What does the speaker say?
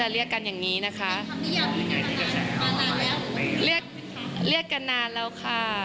เรียกกันนานแล้วค่ะ